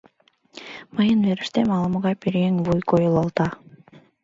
Мыйын верыштем ала-могай пӧръеҥ вуй койылалта.